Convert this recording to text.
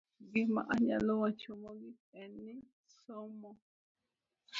Gima anyalo wacho mogik en ni, somo